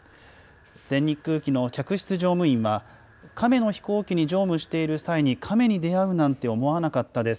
全日空機の客室乗務員は、カメの飛行機に乗務している際にカメに出会うなんて思わなかったです。